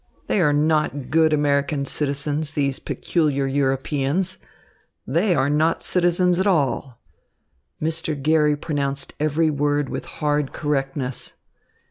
They are not good American citizens, these peculiar Europeans. They are not citizens at all." Mr. Garry pronounced every word with hard correctness.